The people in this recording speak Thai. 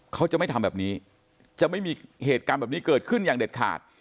เขาจะไม่ทำแบบนี้จะไม่มีเหตุการณ์แบบนี้เกิดขึ้นอย่างเด็ดขาด